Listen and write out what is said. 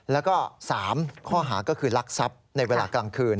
แล้วก็๓ข้อหาก็คือลักทรัพย์ในเวลากลางคืน